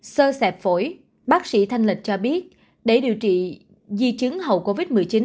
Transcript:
sơ sẹp phổi bác sĩ thanh lịch cho biết để điều trị di chứng hậu covid một mươi chín